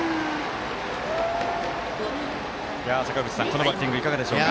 このバッティングいかがでしょう。